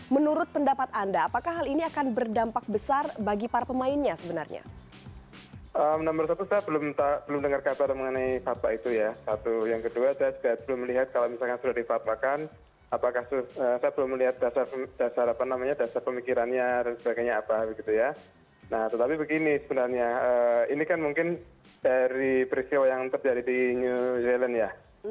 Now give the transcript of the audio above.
menurut pendapat anda apakah hal ini akan berdampak besar bagi para pemainnya sebenarnya